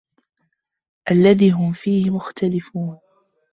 الَّذِي هُمْ فِيهِ مُخْتَلِفُونَ